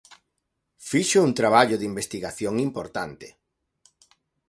Fixo un traballo de investigación importante.